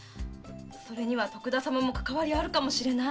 それには徳田様もかかわりあるかもしれない。